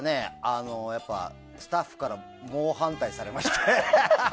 やっぱ、スタッフから猛反対されまして。